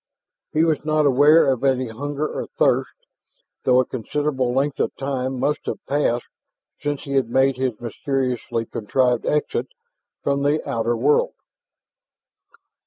He was not aware of any hunger or thirst, though a considerable length of time must have passed since he had made his mysteriously contrived exit from the outer world.